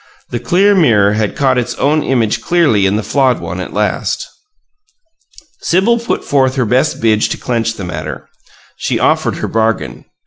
The clear mirror had caught its own image clearly in the flawed one at last. Sibyl put forth her best bid to clench the matter. She offered her bargain.